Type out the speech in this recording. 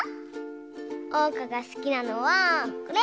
おうかがすきなのはこれ。